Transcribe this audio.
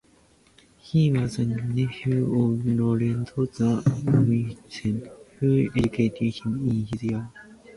He was the nephew of Lorenzo the Magnificent, who educated him in his youth.